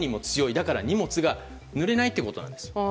だから、荷物がぬれないってことなんです。